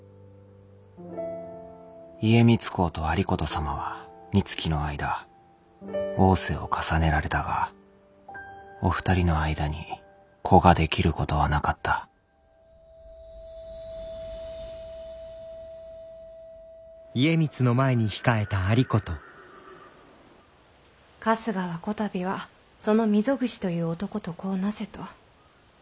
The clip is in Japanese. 家光公と有功様はみつきの間逢瀬を重ねられたがお二人の間に子ができることはなかった春日はこたびはその溝口という男と子をなせと。